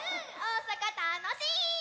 おおさかたのしい！